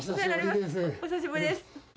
お久しぶりです。